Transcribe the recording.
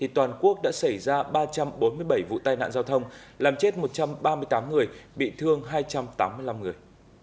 toàn quốc đã xảy ra ba trăm bốn mươi bảy vụ tai nạn giao thông làm chết một trăm ba mươi tám người bị thương hai trăm tám mươi năm người